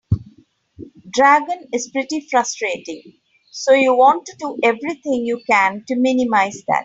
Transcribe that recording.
Dragon is pretty frustrating, so you want to do everything you can to minimize that.